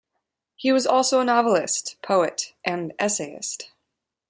He was also a novelist, poet, and essayist.